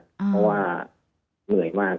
เพราะว่าเหนื่อยมาก